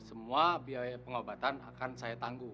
semua biaya pengobatan akan saya tanggung